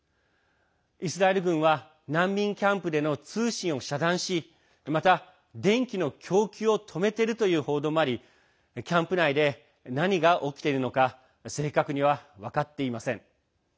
イスラエル軍は難民キャンプでの通信を遮断しまた電気の供給を止めているという報道もありキャンプ内で何が起きているのか正確には分かっていません。